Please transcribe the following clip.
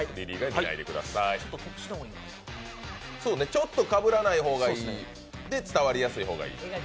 ちょっとかぶらない方がいいで、伝わりやすい方がいい。